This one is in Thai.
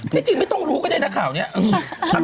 ที่จริงไม่ต้องรู้ก็ได้นะข่าวนี้